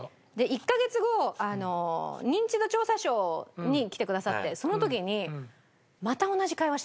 １カ月後『ニンチド調査ショー』に来てくださってその時にまた同じ会話したんですよ。